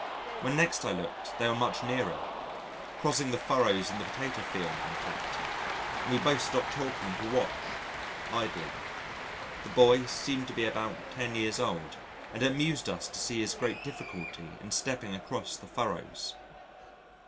When next I looked, they were much nearer crossing the furrows in the potato field in fact, and we both stopped talking to watch idly. The boy seemed to be about 10 years old, and it amused us to see his great difficulty in stepping across the furrows.